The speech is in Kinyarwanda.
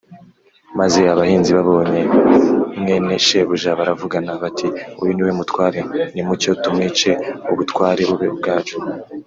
maze abahinzi babonye mwene shebuja baravugana bati, ‘uyu ni we mutware, nimucyo tumwice ubutware bube ubwacu’